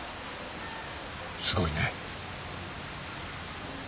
すごいね。